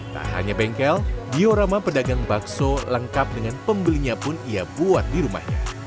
tak hanya bengkel diorama pedagang bakso lengkap dengan pembelinya pun ia buat di rumahnya